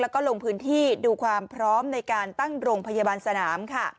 แล้วก็ลงพื้นที่ดูความพร้อมในการตั้งโรงพยาบาลสนามค่ะ